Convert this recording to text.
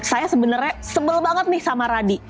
saya sebenarnya sebel banget nih sama radi